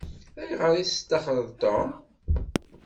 Ayɣer i testaxṛeḍ Tom?